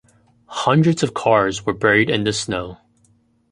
Hundreds of cars were buried in the snow.